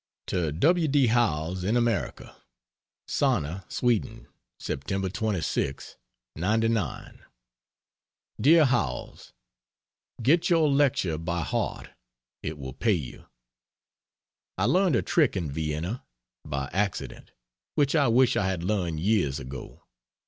To W. D. Howells, in America: SANNA, SWEDEN, Sept. 26, '99. DEAR HOWELLS, Get your lecture by heart it will pay you. I learned a trick in Vienna by accident which I wish I had learned years ago.